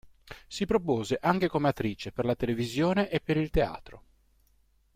Si propose anche come attrice per la televisione e per il teatro.